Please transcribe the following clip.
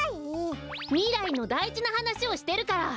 みらいのだいじなはなしをしてるから！